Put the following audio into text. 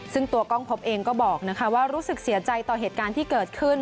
ซึ่งตัวกล้องพบเองก็บอกว่ารู้สึกเสียใจต่อเหตุการณ์ที่เกิดขึ้น